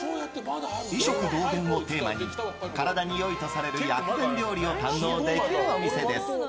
医食同源をテーマに体に良いとされる薬膳料理を堪能できるお店です。